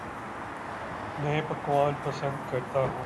نئے پکوان پسند کرتا ہوں